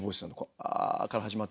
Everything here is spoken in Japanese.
「ア」から始まって。